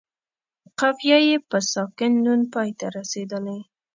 قافیه یې په ساکن نون پای ته رسیدلې.